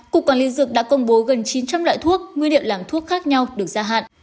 cục quản lý dược đã công bố gần chín trăm linh loại thuốc nguyên liệu làm thuốc khác nhau được gia hạn